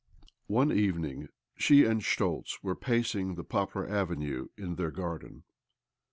II One evening she and Schtoltz were pacing the poplar avenue in their garden.